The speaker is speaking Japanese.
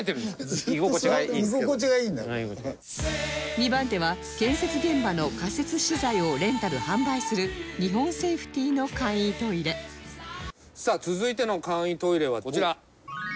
２番手は建設現場の仮設資材をレンタル販売する日本セイフティーの簡易トイレさあ続いての簡易トイレはこちら。